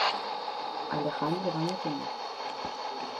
Alejandro Baña Tomé.